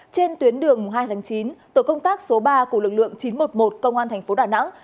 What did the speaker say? trên tuyến đường hai tháng chín tổ công tác số ba của lực lượng chín trăm một mươi một công an tp đà nẵng